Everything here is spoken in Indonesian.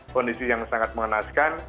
kondisi yang sangat mengenaskan